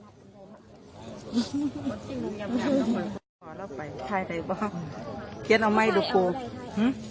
เชียงอ๋อไหมดูโภค